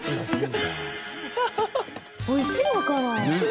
美味しいのかな？